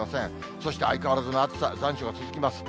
そして相変わらずの暑さ、残暑が続きます。